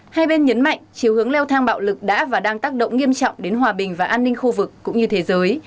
hai bên nhấn mạnh chiều hướng leo thang bạo lực đã và đang tác động nghiêm trọng đến hòa bình và an ninh khu vực cũng như thế giới